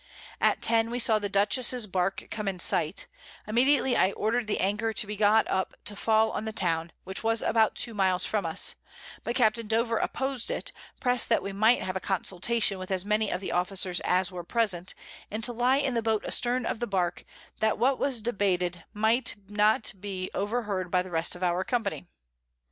At 10 we saw the Dutchess's Bark come in sight; immediately I order'd the Anchor to be got up to fall on the Town, which was about two Miles from us; but Capt. Dover oppos'd it, press'd that we might have a Consultation with as many of the Officers as were present, and to lie in the Boat astern of the Bark, that what was debated might not be overheard by the rest of our Company.